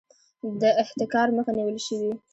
د احتکار مخه نیول شوې؟